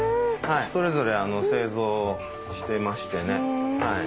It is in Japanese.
それぞれ製造してましてね。